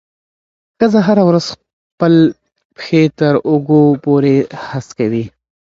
ښځه هره ورځ خپل پښې تر اوږو پورې هسکوي.